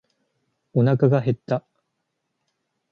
おなかが減った。